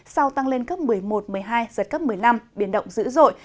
sau tăng lên cấp một mươi một một mươi hai giật cấp một mươi năm biển động dữ dội